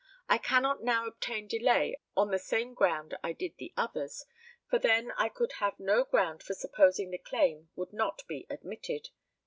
I cannot now obtain delay on the same ground I did the others, for then I could have no ground for supposing the claim would not be admitted."